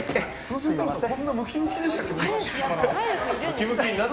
こんなムキムキでしたっけ。